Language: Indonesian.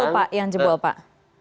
ada berapa tanggul yang jebol pak